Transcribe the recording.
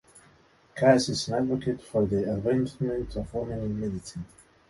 Kass is an advocate for the advancement of women in medicine.